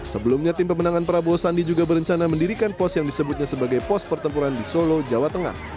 sebelumnya tim pemenangan prabowo sandi juga berencana mendirikan pos yang disebutnya sebagai pos pertempuran di solo jawa tengah